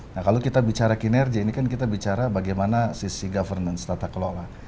nah kalau kita bicara kinerja ini kan kita bicara bagaimana sisi governance tata kelola